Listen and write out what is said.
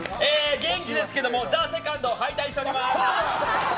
元気ですけども「ＴＨＥＳＥＣＯＮＤ」敗退しております。